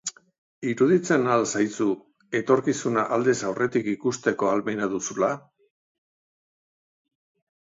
Iruditzen al zaizu etorkizuna aldez aurretik ikusteko ahalmena duzula?